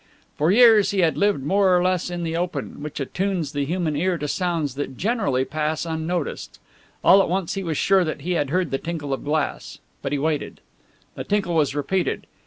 For years he had lived more or less in the open, which attunes the human ear to sounds that generally pass unnoticed. All at once he was sure that he had heard the tinkle of glass, but he waited. The tinkle was repeated.